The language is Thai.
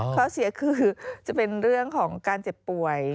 ข้อเสียคือจะเป็นเรื่องของการเจ็บป่วย